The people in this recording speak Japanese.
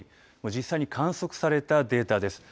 実際に観測されたデータです。